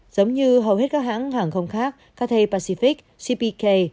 giống như hầu hết các hãng hàng không khác katary pacific cpk